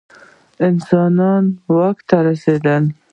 انسانان واک ته رسېدلي.